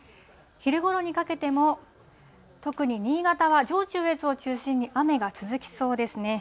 昼ごろにかけても、特に新潟は、上中越を中心に雨が続きそうですね。